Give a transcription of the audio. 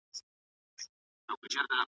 نور به د زړۀ خبر لۀ هیچا سره ونکړمه